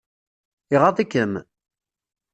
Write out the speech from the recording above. Iɣaḍ-ikem?